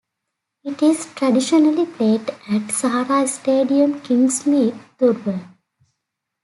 It is traditionally played at Sahara Stadium Kingsmead, Durban.